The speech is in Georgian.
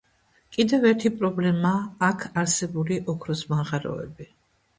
კიდევ ერთი პრობლემაა აქ არსებული ოქროს მაღაროები.